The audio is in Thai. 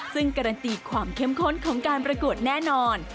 ซึ่งการันตีความเข้มข้นของการประกวดแน่นอน